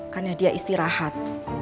karena dia istirahat